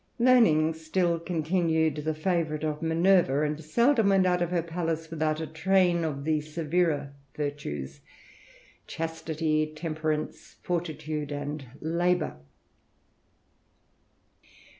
Learning still continued the favourite of Minerva, and seldom went out of her palace, without a train of the severer virtues. Chastity, Temperance, Fortitude, and Labour.